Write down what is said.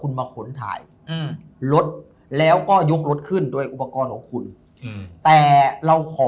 คุณมาขนถ่ายรถแล้วก็ยกรถขึ้นโดยอุปกรณ์ของคุณแต่เราขอ